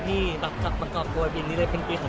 พี่เอ็มเค้าเป็นระบองโรงงานหรือเปลี่ยนไงครับ